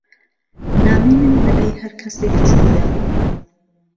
نامهی من به لای ههر کهسێک چووگه